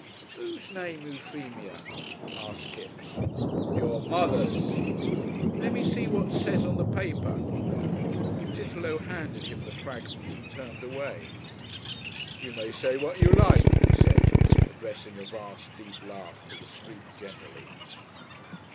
"Whose name Euphemia?" asked Kipps. "Your mother's." "Lemme see what it says on the paper." Chitterlow handed him the fragment and turned away. "You may say what you like," he said, addressing a vast, deep laugh to the street generally.